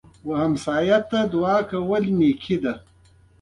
ګاونډي ته دعا کول نیکی ده